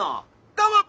「『どうも！